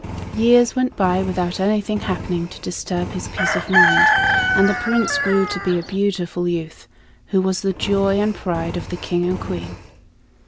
Years went by without anything happening to disturb his peace of mind, and the Prince grew to be a beautiful youth, who was the joy and pride of the King and Queen.